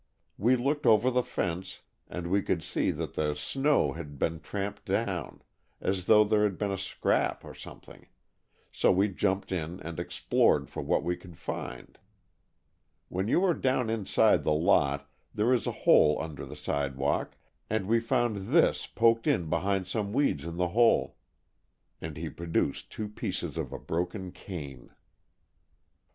We looked over the fence and we could see that the snow had been tramped down, as though there had been a scrap or something, so we jumped in and explored for what we could find. When you are down inside the lot there is a hole under the sidewalk, and we found this poked in behind some weeds in the hole." And he produced the two pieces of a broken cane.